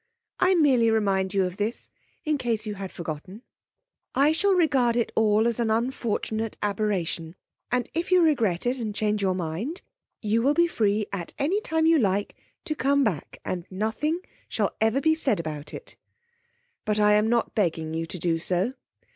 I merely remind you of this, in case you had forgotten. 'I shall regard it all as an unfortunate aberration; and if you regret it, and change your mind, you will be free at any time you like to come back and nothing shall be ever said about it. But I'm not begging you to do so.